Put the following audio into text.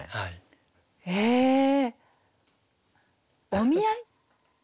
「お見合い」？